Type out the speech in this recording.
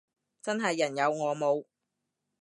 真係人有我冇